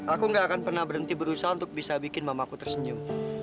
aku gak akan pernah berhenti berusaha untuk bisa bikin mamaku tersenyum